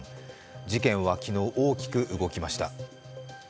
事件は昨日、大きく動きました。